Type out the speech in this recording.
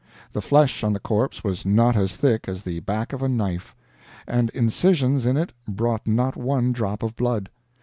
The flesh on the corpse was not as thick as the back of a knife, and incisions in it brought not one drop of blood.